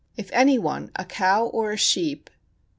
If any one, a cow or a sheep